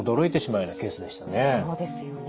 そうですよね。